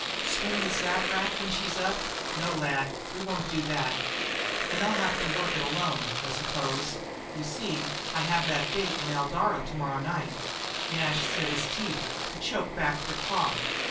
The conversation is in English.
"Swim the Saverack when she's up? No, lad, we won't do that." "Then I'll have to work it alone, I suppose. You see, I have that date in Eldara for tomorrow night." Nash set his teeth, to choke back the cough.